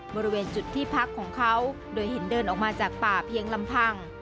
บริเวณจุดที่พักของเขาโดยเห็นเดินออกมาจากป่าเพียงลำพัง